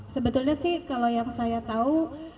sebetulnya sih kalau yang saya tahu